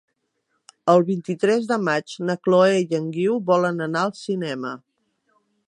El vint-i-tres de maig na Chloé i en Guiu volen anar al cinema.